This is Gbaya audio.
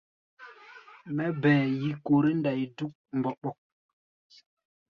Mɛ́ bɛɛ yikoré-ndai dúk mboɓok.